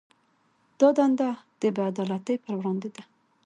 دا دنده د بې عدالتۍ پر وړاندې ده.